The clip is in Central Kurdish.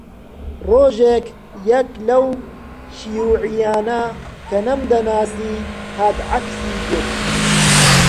ڕۆژێک یەک لەو شیووعییانە کە نەمدەناسی هات عەکسی گرت